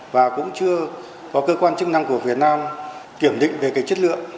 và cũng chưa có cơ quan chức năng của việt nam kiểm định về cái chất lượng